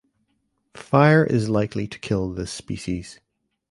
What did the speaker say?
Fire is likely to kill this species.